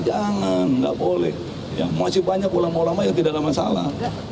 jangan nggak boleh masih banyak ulama ulama yang tidak ada masalah